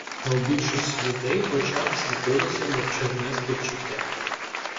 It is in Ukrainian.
Та у більшості людей в очах світилося мовчазне співчуття.